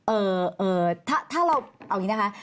เอ่อถ้าเราเอาอย่างนี้นะคะ